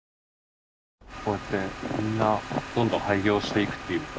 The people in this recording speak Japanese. こうやってみんなどんどん廃業していくっていうか。